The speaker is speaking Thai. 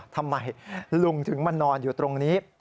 ทำไมลุงถึงมานอนอยู่ตรงนี้